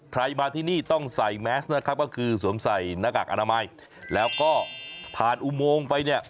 ใครมาที่นี่ต้องใส่แมสนะครับก็คือสวมใส่หน้ากากอนามัยแล้วก็ผ่านอุโมงไปเนี่ย